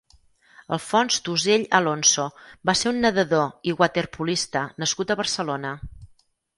Alfons Tusell Alonso va ser un nedador i waterpolista nascut a Barcelona.